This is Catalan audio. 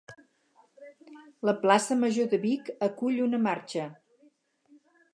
La Plaça Major de Vic acull una marxa